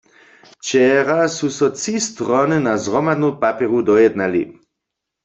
Wčera su so tři strony na zhromadnu papjeru dojednali.